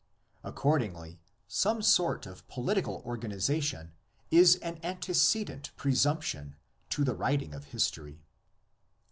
Accordingly some sort of political organisation is an antecedent presump tion to the writing of history.